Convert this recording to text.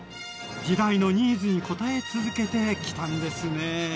時代のニーズに応え続けてきたんですね。